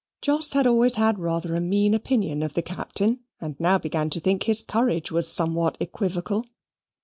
Jos had always had rather a mean opinion of the Captain, and now began to think his courage was somewhat equivocal.